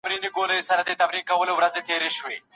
بيسواده ښځه د اولادونو سمه روزنه نه سي کولای.